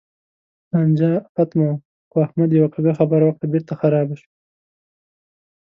لانجه ختمه وه؛ خو احمد یوه کږه خبره وکړه، بېرته خرابه شوه.